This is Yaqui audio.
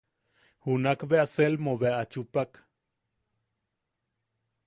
Junak bea Selmo bea a chupak.